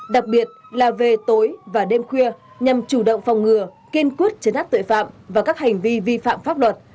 đặc biệt là về tối và đêm khuya nhằm chủ động phòng ngừa kiên quyết chấn áp tội phạm và các hành vi vi phạm pháp luật